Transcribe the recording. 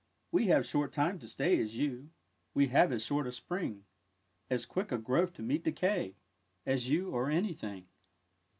We have short time to stay, as you, We have as short a Spring; As quick a growth to meet decay As you, or any thing.